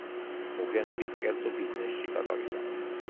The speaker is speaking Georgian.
მოგვიანებით, კერძო ბიზნესში გადავიდა.